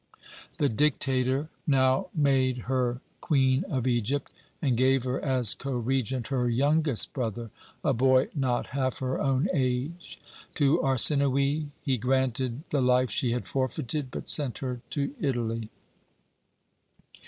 The dictator now made her Queen of Egypt, and gave her, as co regent, her youngest brother, a boy not half her own age. To Arsinoë he granted the life she had forfeited, but sent her to Italy.